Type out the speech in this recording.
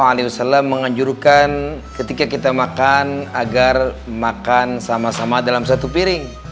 nabi muhammad saw menganjurkan ketika kita makan agar makan sama sama dalam satu piring